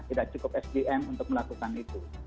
tidak cukup sdm untuk melakukan itu